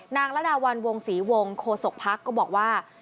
นางละดาวัลวงศรีวงขโสกภักดิ์ก็บอกว่า